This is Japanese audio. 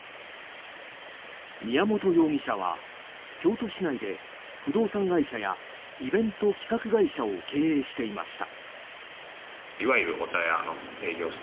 宮本容疑者は京都市内で不動産会社やイベント企画会社を経営していました。